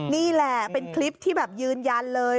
นี่แหละเป็นคลิปที่แบบยืนยันเลย